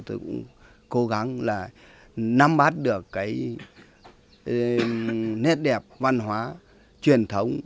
tôi cũng cố gắng là nắm bát được cái nét đẹp văn hóa truyền thống